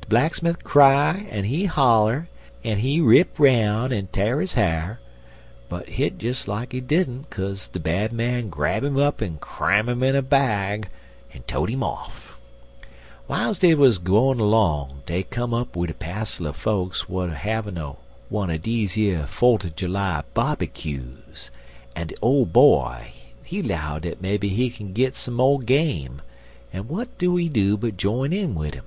De blacksmif cry en he holler, en he rip 'roun' en t'ar his ha'r, but hit des like he didn't, kase de Bad Man grab 'im up en cram 'im in a bag en tote 'im off. W'iles dey wuz gwine 'long dey come up wid a passel er fokes w'at wuz havin' wanner deze yer fote er July bobbycues, en de Ole Boy, he 'low dat maybe he kin git some mo' game, en w'at do he do but jine in wid um.